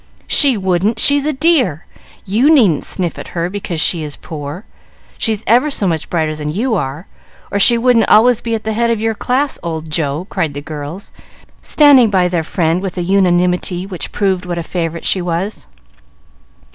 "She wouldn't! she's a dear! You needn't sniff at her because she is poor. She's ever so much brighter than you are, or she wouldn't always be at the head of your class, old Joe," cried the girls, standing by their friend with a unanimity which proved what a favorite she was.